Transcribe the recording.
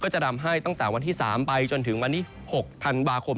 จะทำให้ตั้งแต่วันที่๓ไปจนถึงวันที่๖ธันวาคม